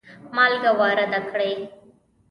مالګه وارده کړي.